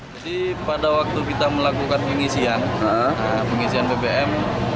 jadi pada waktu kita melakukan pengisian pengisian bbm